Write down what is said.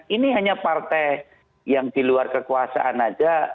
ini hanya partai yang di luar kekuasaan saja